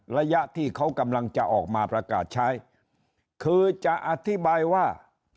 ระยะที่เขากำลังจะออกมาประกาศใช้คือจะอธิบายว่า